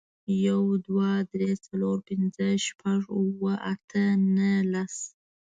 یو، دوه، درې، څلور، پنځه، شپږ، اوه، اته، نهه، لس.